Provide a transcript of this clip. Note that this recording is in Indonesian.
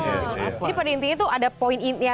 jadi pada intinya tuh ada point ya